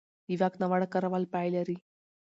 د واک ناوړه کارول پای لري